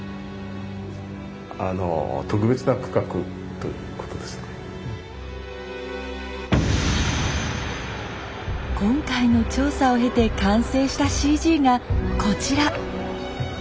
そういう意味では今回の調査を経て完成したＣＧがこちら！